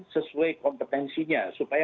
sesuai kompetensinya supaya